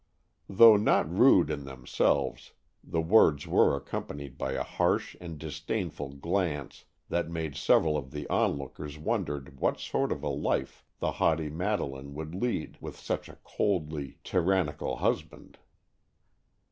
Though not rude in themselves, the words were accompanied by a harsh and disdainful glance that made several of the onlookers wonder what sort of a life the haughty Madeleine would lead with such a coldly tyrannical husband.